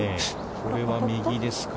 これは右ですか。